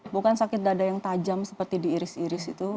bukan sakit dada yang tajam seperti diiris iris itu